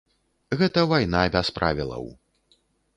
Гэта вайна без правілаў.